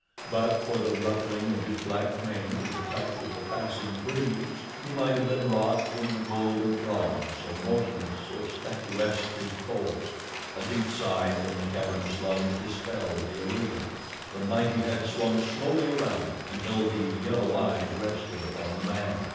But for the ruffling of his black mane to the touch of the passing breeze he might have been wrought from golden bronze, so motionless, so statuesque his pose. A deep sigh from the cavernous lungs dispelled the illusion. The mighty head swung slowly around until the yellow eyes rested upon the man.